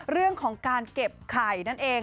เรื่องของการเก็บไข่นั่นเอง